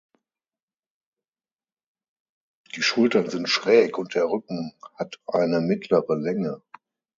Die Schultern sind schräg und der Rücken hat eine mittlere Länge.